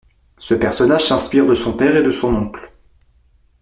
Ce personnage s'inspire de son père et de son oncle.